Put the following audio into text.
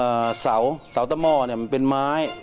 เอ่อเสาเสาตะโม่เนี้ยมันเป็นไม้